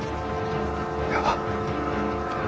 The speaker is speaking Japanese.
いや。